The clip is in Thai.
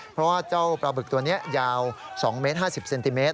เพราะว่าเจ้าปลาบึกตัวนี้ยาว๒เมตร๕๐เซนติเมตร